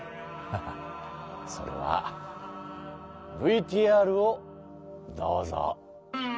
ハハッそれはＶＴＲをどうぞ。